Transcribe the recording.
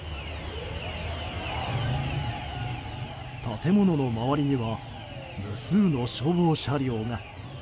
建物の周りには無数の消防車両が。